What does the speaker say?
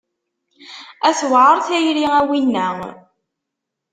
A tewɛer tayri a winna.